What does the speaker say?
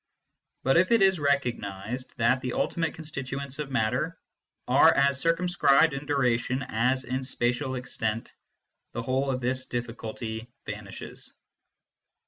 But if it is recognised that the ultimate constituents of matter are as circumscribed in duration as in spatial extent, the whole of this difficulty vanishes.